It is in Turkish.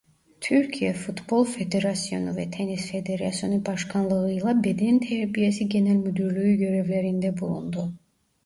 Türkiye Futbol Federasyonu ve Tenis Federasyonu başkanlığıyla Beden Terbiyesi Genel Müdürlüğü görevlerinde bulundu.